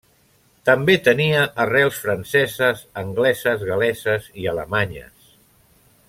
També tenia arrels franceses, angleses, gal·leses i alemanyes.